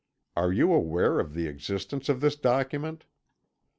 Are you aware of the existence of this document?"